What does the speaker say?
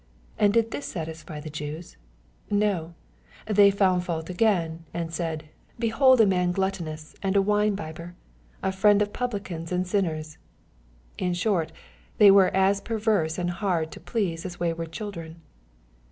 And did this satisfy the Jews ? No I They found fault again, and said, ^^ Behold a man MATTHEW^ CHAP. XI. 113 glattonons and a wine bibber, a friend of publicaua and sinners/' In short, they were as perverse and hard to please as wayward children.